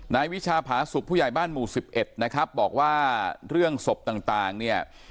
วิชาผาสุกผู้ใหญ่บ้านหมู่๑๑นะครับบอกว่าเรื่องศพต่างเนี่ย